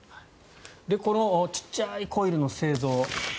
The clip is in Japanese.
この小さいコイルの製造